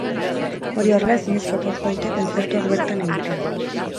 Hori horrela, ezinezkotzat jo dute kontzertuak bertan egitea.